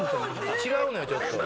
違うのよちょっと。